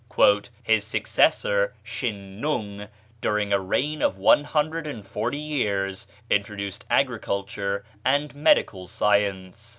"His successor, Shin nung, during a reign of one hundred and forty years, introduced agriculture and medical science.